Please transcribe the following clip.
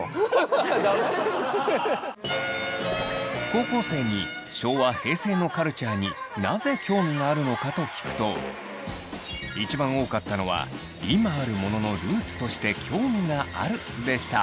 高校生に昭和・平成のカルチャーになぜ興味があるのかと聞くと一番多かったのは「今あるもののルーツとして興味がある」でした。